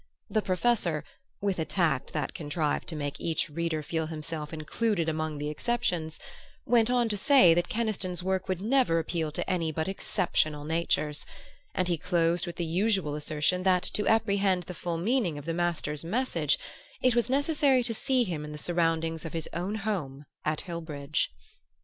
The Professor, with a tact that contrived to make each reader feel himself included among the exceptions, went on to say that Keniston's work would never appeal to any but exceptional natures; and he closed with the usual assertion that to apprehend the full meaning of the master's "message" it was necessary to see him in the surroundings of his own home at Hillbridge.